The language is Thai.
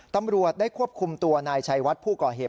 ตำรวจได้ควบคุมตัวนายชัยวัดผู้ก่อเหตุ